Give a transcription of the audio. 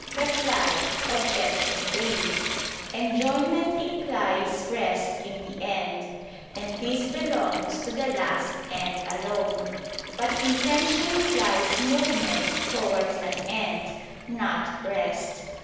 Reply Obj. 3: Enjoyment implies rest in the end; and this belongs to the last end alone. But intention implies movement towards an end, not rest.